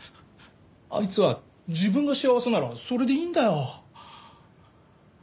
あいつは自分が幸せならそれでいいんだよ。